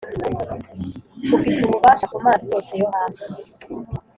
ufite ububasha ku mazi yose yo hasi